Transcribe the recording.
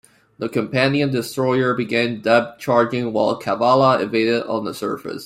The companion destroyer began depth charging while "Cavalla" evaded on the surface.